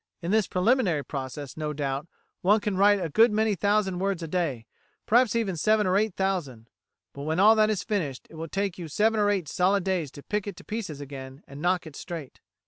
In this preliminary process, no doubt, one can write a good many thousand words a day, perhaps seven or eight thousand. But when all that is finished, it will take you seven or eight solid days to pick it to pieces again, and knock it straight.